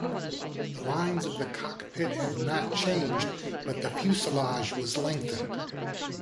The lines of the cockpit have not changed but the fuselage was lengthened.